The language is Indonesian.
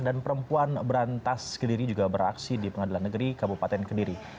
dan perempuan berantas kediri juga beraksi di pengadilan negeri kabupaten kediri